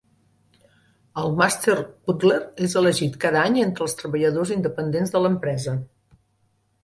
El Master Cutler és elegit cada any entre els treballadors independents de l'empresa.